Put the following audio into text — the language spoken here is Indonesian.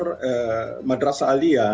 pelajar madrasa alia